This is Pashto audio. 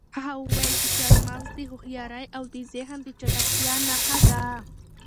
هغه وویل چې چهارمغز د هوښیارۍ او د ذهن د چټکتیا نښه ده.